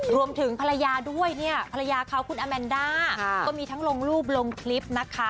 รวมถึงภรรยาด้วยเนี่ยภรรยาเขาคุณอาแมนด้าก็มีทั้งลงรูปลงคลิปนะคะ